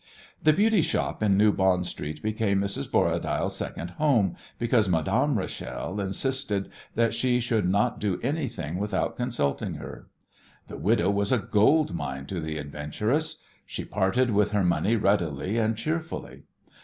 The beauty shop in New Bond Street became Mrs. Borradaile's second home, because Madame Rachel insisted that she should not do anything without consulting her. The widow was a gold mine to the adventuress. She parted with her money readily and cheerfully.